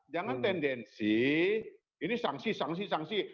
jangan tendensi ini sanksi sanksi sanksi